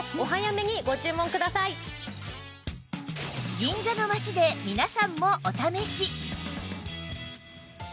銀座の街で皆さんもお試し